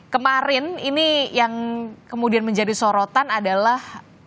kemarin ini yang kemudian menjadi sorotan adalah